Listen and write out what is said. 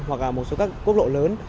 hoặc là một số các quốc lộ lớn